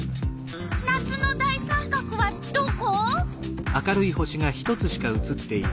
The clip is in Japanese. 夏の大三角はどこ？